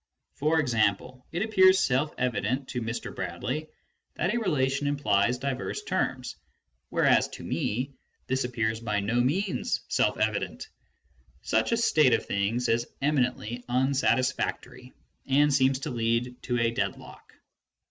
For example, it appears self evident to Mr. Bradley that a relation implies diverse terms, whereas to me this appears by no means self evident. Such a state of things is eminently unsatisfactory, and seems to lead to a deadlock.